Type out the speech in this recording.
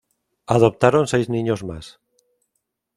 Adoptaron seis niños más.